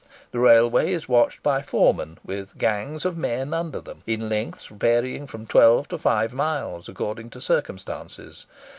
The railway is watched by foremen, with "gangs" of men under them, in lengths varying from twelve to five miles, according to circumstances.